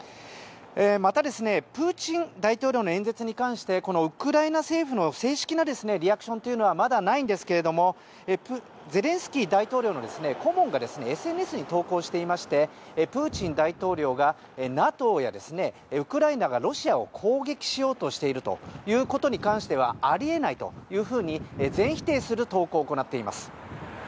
また、プーチン大統領の演説に関してウクライナ政府からの正式なリアクションというのはまだないんですけれどもゼレンスキー大統領の顧問がＳＮＳに投稿していましてプーチン大統領がＮＡＴＯやウクライナがロシアを攻撃しようとしていることにはあり得ないというふうに全否定する投稿を行っています。